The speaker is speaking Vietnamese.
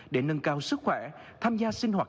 để nâng cao sức khỏe tham gia sinh hoạt